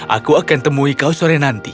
aku akan temui kau sore nanti